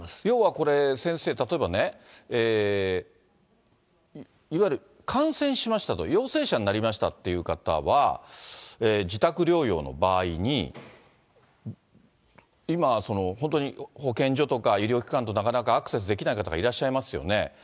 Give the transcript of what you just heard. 要はこれ、先生、例えばね、いわゆる感染しましたと、陽性者になりましたっていう方は、自宅療養の場合に今、本当に保健所とか医療機関となかなかアクセスできない方がいらっしゃいますよね。